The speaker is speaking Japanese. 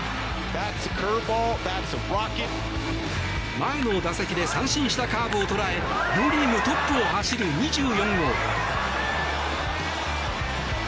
前の打席で三振したカーブを捉え両リーグトップを走る２４号。